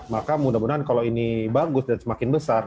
maka mudah mudahan kalau ini bagus dan semakin besar